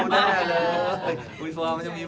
ข้าแนะนำคนที่เขาแบบอยากทำศัลยกรรมอะไรอย่างนี้